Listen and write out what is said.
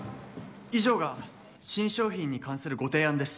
以上が新商品に関するご提案です。